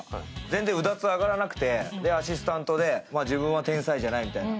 全然、うだつが上がらなくて、アシスタントで、自分は天才じゃないみたいな。